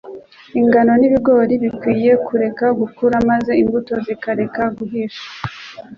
Ingano n'ibigori bikwinye kureka gukura maze imbuto zikareka guhisha ?